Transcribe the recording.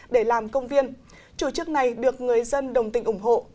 để làm công viên chủ chức này được người dân đồng tình ủng hộ